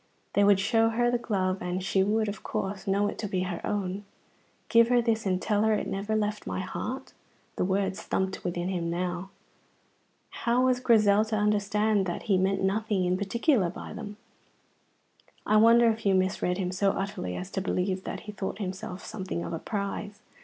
They would show her the glove, and she would, of course, know it to be her own. "Give her this and tell her it never left my heart." The words thumped within him now. How was Grizel to understand that he had meant nothing in particular by them? I wonder if you misread him so utterly as to believe that he thought himself something of a prize?